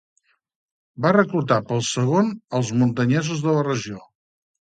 Va reclutar pel segon als muntanyesos de la regió.